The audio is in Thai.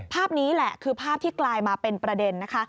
ภาพนี้แหละคือภาพที่กลายมาเป็นประเด็นนะคะ